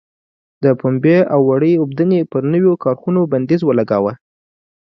د پنبې او وړۍ اوبدنې پر نویو کارخونو بندیز ولګاوه.